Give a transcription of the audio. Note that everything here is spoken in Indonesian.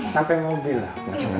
sampai mobil lah